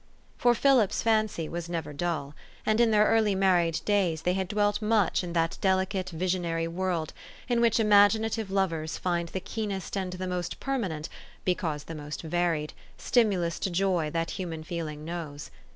For Philip's fancy was never dull ; and in their early married days they had dwelt much in that deli cate, visionary world, in which imaginative lovers find the keenest and the most permanent (because the most varied) stimulus to joy that human feeling knows.